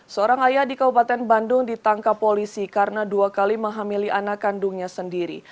seorang ayah di kabupaten bandung ditangkap polisi karena dua kali menghamili anak kandungnya sendiri